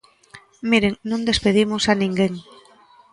Miren, non despedimos a ninguén.